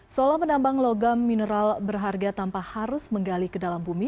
seolah menambang logam mineral berharga tanpa harus menggali ke dalam bumi